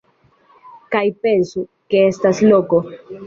Kaj pensu, ke estas loko.